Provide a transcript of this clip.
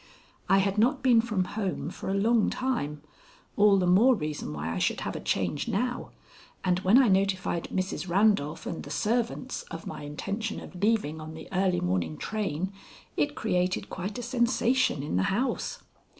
I had not been from home for a long time all the more reason why I should have a change now and when I notified Mrs. Randolph and the servants of my intention of leaving on the early morning train, it created quite a sensation in the house.